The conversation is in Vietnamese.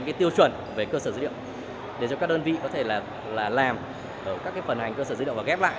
cái tiêu chuẩn về cơ sở dữ liệu để cho các đơn vị có thể là làm các phần hành cơ sở dữ liệu và ghép lại